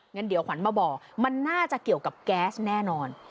งั้นเดี๋ยวขวัญมาบอกมันน่าจะเกี่ยวกับแก๊สแน่นอน